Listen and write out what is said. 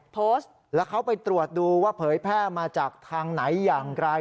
โพสต์แล้วเขาไปตรวจดูว่าเผยแพร่มาจากทางไหนอย่างไร